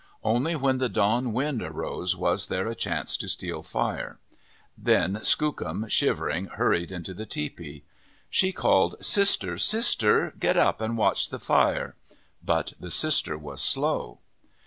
Only when the dawn wind arose was there a chance to steal fire. Then Skookum, shivering, hurried into the tepee. She called: "Sister, sister, get up and watch the fire." But the sister was slow.